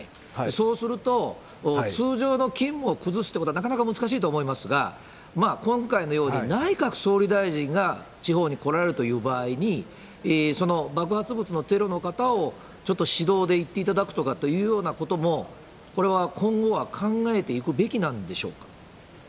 そうすると、通常の勤務を崩すということはなかなか難しいと思いますが、今回のように、内閣総理大臣が地方に来られるという場合に、爆発物のテロの方をちょっと指導で行っていただくというようなことも、これは今後は考えていくべきなんでしょうか？